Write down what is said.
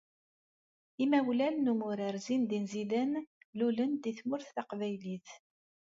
Imawlan n umurar Zineddine Zidane lulen-d deg Tmurt Taqbaylit.